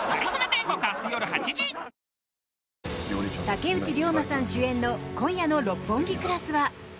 竹内涼真さん主演の今夜の「六本木クラス」は。